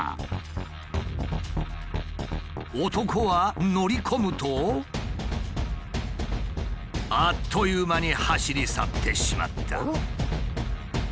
男は乗り込むとあっという間に走り去ってしまった。